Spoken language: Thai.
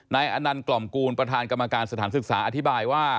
อนันต์กล่อมกูลประธานกรรมการสถานศึกษาอธิบายว่า